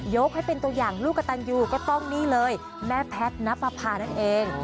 ยกให้เป็นตัวอย่างลูกกระตันยูก็ต้องนี่เลยแม่แพทย์นับประพานั่นเอง